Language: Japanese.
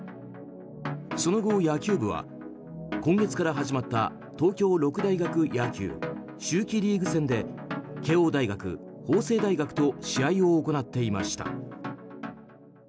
その後、野球部は今月から始まった東京六大学野球秋季リーグ戦で慶應大学、法政大学と試合を行っていました。